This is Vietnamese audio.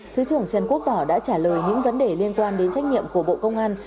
thứ trưởng trần quốc tỏ đã trả lời những vấn đề liên quan đến trách nhiệm của bộ công an